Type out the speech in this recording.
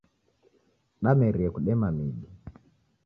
Damerie kudema midi.